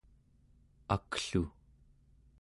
aklu